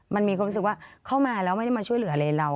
มันมีความรู้สึกว่าเข้ามาแล้วไม่ได้มาช่วยเหลืออะไรเรา